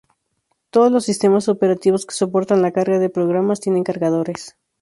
Todos los sistemas operativos que soportan la carga de programas tienen cargadores.